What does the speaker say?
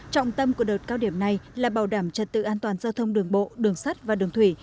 trọng tâm của đợt cao điểm này là bảo đảm trật tự an toàn giao thông đường bộ đường sắt và đường thủy